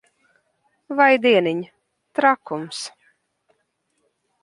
Vai dieniņ! Trakums.